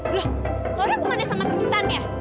lah laura kemana sama tristan ya